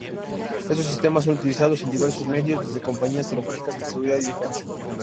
Estos sistemas son utilizados en diversos medios, desde compañías telefónicas hasta seguridad y defensa.